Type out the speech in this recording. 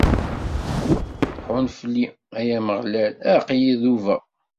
Ḥunn fell-i, ay Ameɣlal, aql-i dubeɣ!